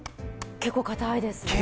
結構硬いんです。